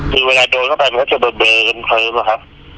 คือเวลาโดนเข้าไปมันก็จะโดนเดินเพิ่มครับ